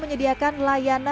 sempere kelenggan cura